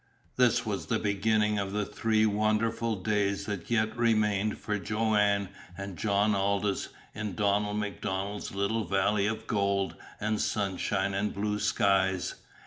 This was the beginning of the three wonderful days that yet remained for Joanne and John Aldous in Donald MacDonald's little valley of gold and sunshine and blue skies.